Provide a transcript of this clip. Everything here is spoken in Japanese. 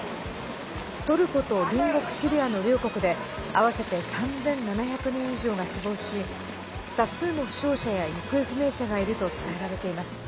トルコと隣国シリアの両国で合わせて３７００人以上が死亡し多数の負傷者や行方不明者がいると伝えられています。